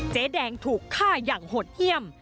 เจ๊แดงถูกฆ่าอย่างหดเยี่ยม